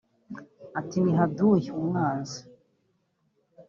Ati “Ni haduyi [umwanzi]